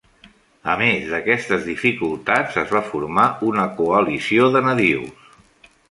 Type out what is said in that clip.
A més d'aquestes dificultats, es va formar una coalició de nadius.